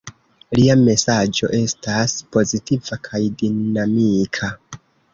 Lia mesaĝo estas pozitiva kaj dinamika.